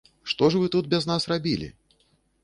Што ж вы тут без нас рабілі?